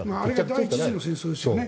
あれが第１次の戦争ですよね。